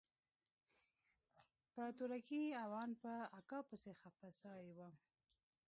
په تورکي او ان په اکا پسې خپه سوى وم.